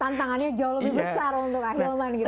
tantangannya jauh lebih besar untuk ahilman gitu